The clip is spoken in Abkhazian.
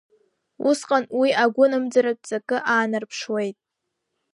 Усҟан уи агәынамӡаратә ҵакы аанарԥшуеит…